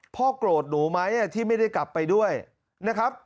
โกรธหนูไหมที่ไม่ได้กลับไปด้วยนะครับ